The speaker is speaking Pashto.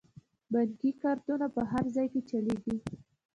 بانکي کارتونه په هر ځای کې چلیږي.